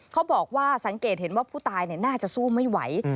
เขาบอกว่าสังเกตเห็นว่าผู้ตายน่าจะสู้ไม่ไหว